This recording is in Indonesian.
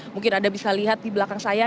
mungkin anda bisa lihat di belakang saya